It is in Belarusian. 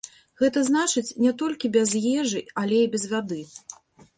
Гэта значыць, не толькі без ежы, але і без вады.